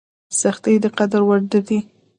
سختۍ د قدر وړ دي.